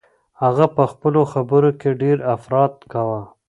هغه په خپلو خبرو کي ډیر افراط کاوه.